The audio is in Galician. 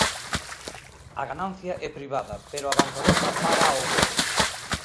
A ganancia é privada pero a bancarrota págaa o pobo.